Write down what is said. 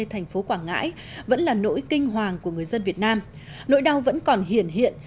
thành phố quảng ngãi vẫn là nỗi kinh hoàng của người dân việt nam nỗi đau vẫn còn hiển hiện hiện